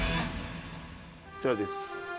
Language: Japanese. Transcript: こちらです。